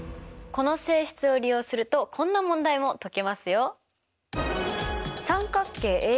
この性質を利用するとこんな問題も解けますよ。